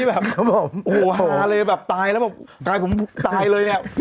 แบบโอฮะเลยแบบตายแล้วแบบกลายผมตายเลยเนี่ย